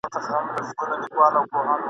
په ککړو په شکرونو سوه له خدایه ..